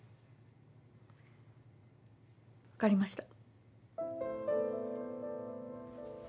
わかりました。